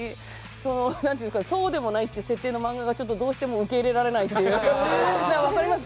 そうでもないという設定のマンガがどうしても受け入れられないという分かります？